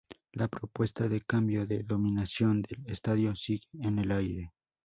La propuesta de cambio de denominación del Estadio sigue en el aire.